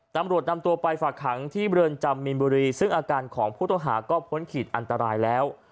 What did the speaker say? ตำรวจนำตัวไปฝากขังที่เรือนจำมีนบุรีซึ่งอาการของผู้ต้องหาก็พ้นขีดอันตรายแล้ว